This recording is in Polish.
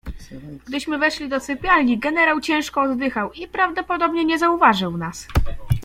"Gdyśmy weszli do sypialni, generał ciężko oddychał i prawdopodobnie nie zauważył nas."